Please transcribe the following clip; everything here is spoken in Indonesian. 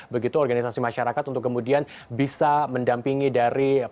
begitu organisasi masyarakat untuk kemudian bisa mendampingi dari